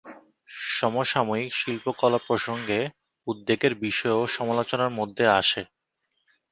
সমসাময়িক শিল্পকলা প্রসঙ্গে উদ্বেগের বিষয়ও সমালোচনার মধ্যে আসে।